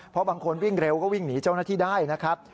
เพราะบางคนวิ่งเร็วก็วิ่งหนีเจ้าหน้าที่ได้นะครับ